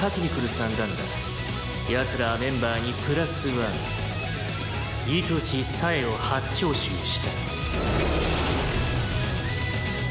「奴らはメンバーにプラスワン糸師冴を初招集した」